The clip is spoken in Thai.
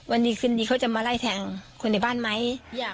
ดีคืนดีเขาจะมาไล่แทงคนในบ้านไหม